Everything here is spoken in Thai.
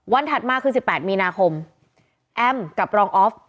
วันถัดมาคือสิบแปดมีนาคมแอมกับรองอ๊อฟ